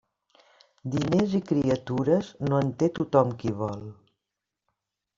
Diners i criatures, no en té tothom qui vol.